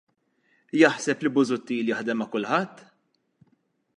Jaħseb li Busuttil jaħdem ma' kulħadd?